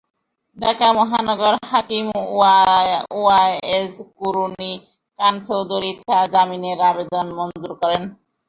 ঢাকা মহানগর হাকিম ওয়ায়েজ কুরুনী খান চৌধুরী তাঁর জামিনের আবেদন মঞ্জুর করেন।